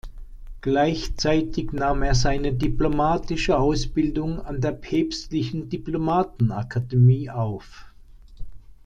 Gleichzeitig nahm er seine diplomatische Ausbildung an der Päpstlichen Diplomatenakademie auf.